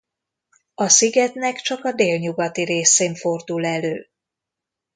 A szigetnek csak a délnyugati részén fordul elő.